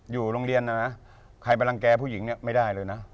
อยู่โรงเรียนนะนะใครไปรังแก่ผู้หญิงเนี่ยไม่ได้เลยนะ